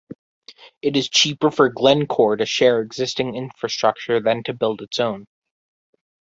It is cheaper for Glencore to share existing infrastructure than to build its own.